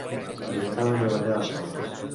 Li agrada treballar a soles.